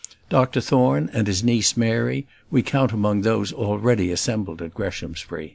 Dr Thorne, and his niece Mary, we count among those already assembled at Greshamsbury.